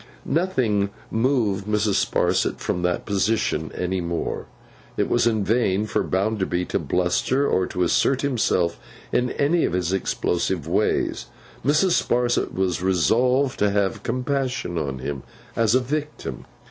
Nothing moved Mrs. Sparsit from that position any more. It was in vain for Bounderby to bluster or to assert himself in any of his explosive ways; Mrs. Sparsit was resolved to have compassion on him, as a Victim.